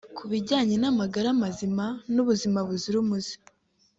Ku bijyanye n’amagara mazima n’ubuzima buzira umuze